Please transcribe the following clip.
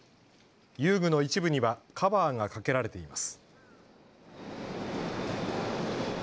遊具の一部にはカバーがかけられています。